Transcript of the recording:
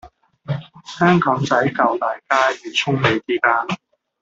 香港仔舊大街與涌尾之間